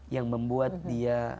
yang membuat dia